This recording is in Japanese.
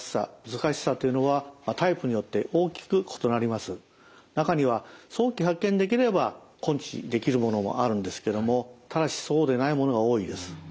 悪性脳腫瘍というのは中には早期発見できれば根治できるものもあるんですけどもただしそうでないものが多いです。